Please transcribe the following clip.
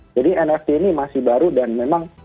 jadi nft ini masih baru dan memang